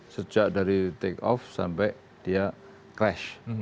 sejak dari take off sampai dia crash